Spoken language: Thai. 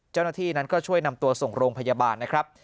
เจ้าหน้าที่นั้นก็ช่วยนำตัวส่งโรงพยาบาลนะครับ